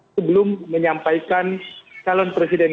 sebelum menyampaikan calon presidennya